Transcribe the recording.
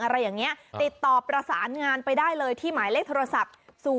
อะไรอย่างนี้ติดต่อประสานงานไปได้เลยที่หมายเลขโทรศัพท์